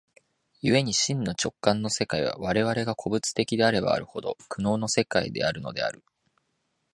故に真の直観の世界は、我々が個物的であればあるほど、苦悩の世界であるのである。